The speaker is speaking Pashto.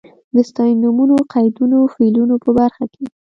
د ستاینومونو، قیدونو، فعلونو په برخه کې.